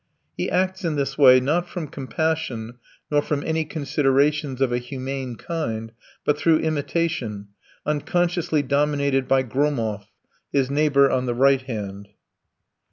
He acts in this way, not from compassion nor from any considerations of a humane kind, but through imitation, unconsciously dominated by Gromov, his neighbour on the right hand.